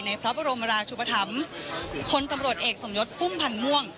พระบรมราชุปธรรมพลตำรวจเอกสมยศพุ่มพันธ์ม่วง